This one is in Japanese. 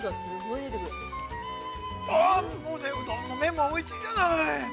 ◆あ、もうね、うどんの麺もおいしいじゃない。